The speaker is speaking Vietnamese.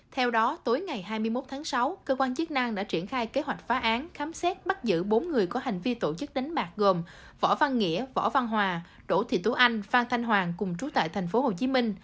theo đó tối ngày hai mươi một tháng sáu cơ quan chức năng đã triển khai kế hoạch phá án khám xét bắt giữ bốn người có hành vi tổ chức đánh bạc gồm võ văn nghĩa võ văn hòa đỗ thị tú anh phan thanh hoàng cùng trú tại thành phố hồ chí minh